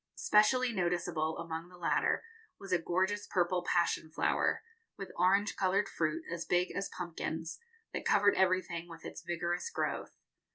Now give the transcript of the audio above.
Specially noticeable among the latter was a gorgeous purple passion flower, with orange coloured fruit as big as pumpkins, that covered everything with its vigorous growth.